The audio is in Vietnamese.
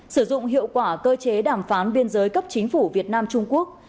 sử dụng hiệu quả cơ chế đàm phán biên giới cấp chính phủ việt nam trung quốc